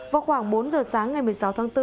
vào khoảng bốn giờ sáng ngày một mươi sáu tháng bốn